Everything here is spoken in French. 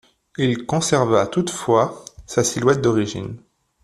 Il conserva toutefois sa silhouette d'origine.